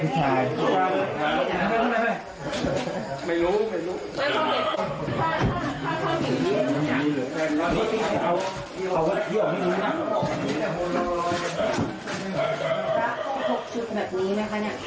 ตรวจส่องของคนมีเกงน้ายที่สามเห็นมั้ยสีอะไรครับอ่ามีมีสีเบด